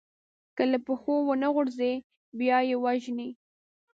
که له پښو ونه غورځي، بیا يې وژني.